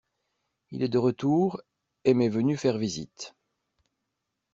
Il est de retour et m'est venu faire visite.